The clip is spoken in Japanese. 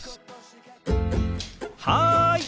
はい！